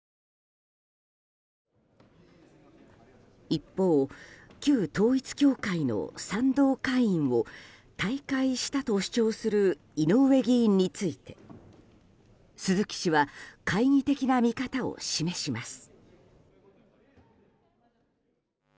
一方、旧統一教会の賛同会員を退会したと主張する井上議員について鈴木氏は懐疑的な見方を示します。